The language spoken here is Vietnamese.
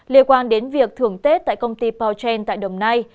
liên quan đến việc thưởng tết tại công ty bouchen tại đồng nai